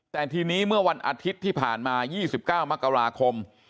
แต่ทีนี้เมื่อวันอาทิตย์ที่ผ่านมา๒๙มกราคม